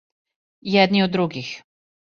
Једни од других.